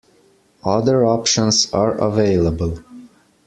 Other options are available.